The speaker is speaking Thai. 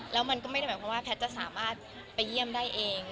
แล้วมันก็ไม่ได้หมายความว่าแพทย์จะสามารถไปเยี่ยมได้เอง